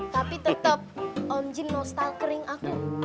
tapi tetap om jun nostalkering aku